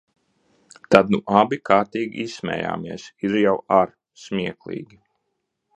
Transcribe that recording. Tad nu abi kārtīgi izsmējāmies, ir jau ar’ smieklīgi.